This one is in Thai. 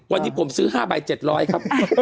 วันนี้ผมซื้อ๕ใบ๗๐๐ครับ